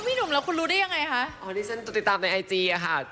ไม่รู้ให้เขาบอกเองดีกว่า